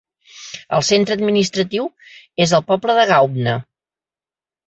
El centre administratiu és el poble de Gaupne.